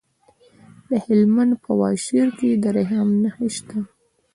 د هلمند په واشیر کې د رخام نښې شته.